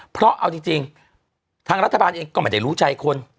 เพราะเอาจริงทางรัฐบาลเองก็ไม่ได้รู้ใจคน